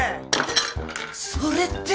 それって。